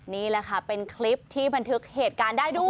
นี่แหละค่ะเป็นคลิปที่บันทึกเหตุการณ์ได้ด้วย